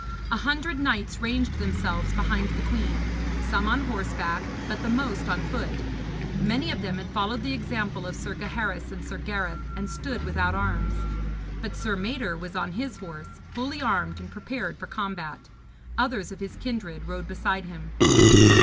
A hundred knights ranged themselves behind the queen, some on horseback, but the most on foot. Many of them had followed the example of Sir Gaheris and Sir Gareth and stood without arms; but Sir Mador was on his horse, fully armed, and prepared for combat. Others of his kindred rode beside him.